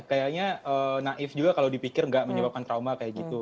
kayaknya naif juga kalau dipikir nggak menyebabkan trauma kayak gitu